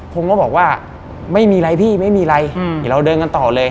พงศ์ก็บอกว่าไม่มีไรพี่ไม่มีไรอย่าเราเดินกันต่อเลย